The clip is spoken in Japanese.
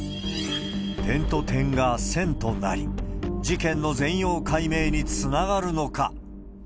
点と点が線となり、事件の全容解明につながるのか。